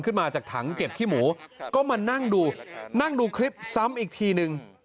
ขึ้นมาจากถังเก็บขี้หมูก็มานั่งดูนั่งดูคลิปซ้ำอีกทีนึง